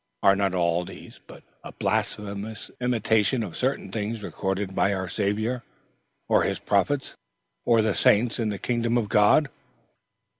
Are not all these but a blasphemous imitation of certain things recorded about our Saviour, or his prophets, or the saints in the kingdom of God?"